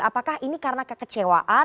apakah ini karena kekecewaan